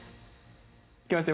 いきますよ